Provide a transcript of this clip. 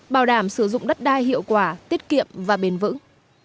bảo đảm sử dụng đất đai hiệu quả tiết kiệm và bền vững